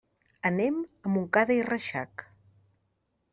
Anem a Montcada i Reixac.